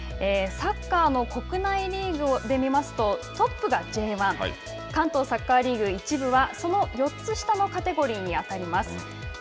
サッカーの国内リーグで見ますとトップがＪ１関東サッカーリーグ１部はその４つ下のカテゴリにあたります。